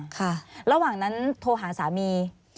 ค่ะระหว่างนั้นโทรหาสามี